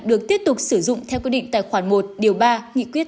được tiếp tục sử dụng theo quyết định tài khoản một điều ba nghị quyết tám mươi